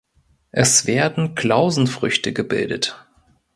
Es werden Klausenfrüchte gebildet.